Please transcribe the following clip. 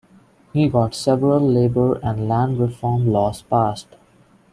He got several labour and land reform laws passed.